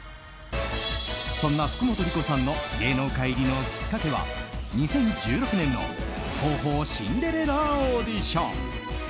そんな福本莉子さんの芸能界入りのきっかけは２０１６年の東宝シンデレラオーディション。